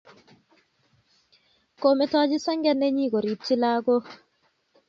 Kometochi senge nenyi koripchi lagok